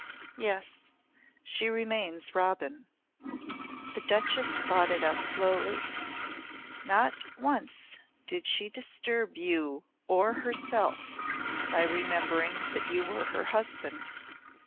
"Yes, she remains Robin." The Duchess thought it out slowly. "Not once did she disturb you or herself by remembering that you were her husband."